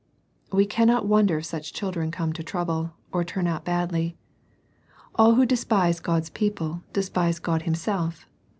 We cannot wonder if such children come to trouble, or turn out badly. All who despise God's people, despise God Himself.